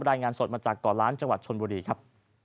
รายงานสดมาจากก่อล้านจังหวัดชนบุรีครับ